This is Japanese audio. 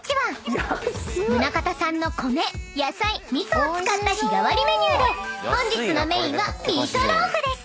［宗像産の米野菜味噌を使った日替わりメニューで本日のメインはミートローフです］